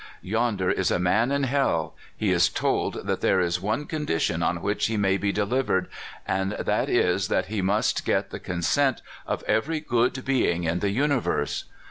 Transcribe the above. Yonder is a man in hell. He is told that there is one condition on which he may be delivered, and that is that he must get the consent of every good being in the universe.